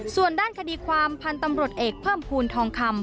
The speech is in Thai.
ส่วนด้านคดีความพันธ์ตำรวจเอกเพิ่มภูมิทองคำ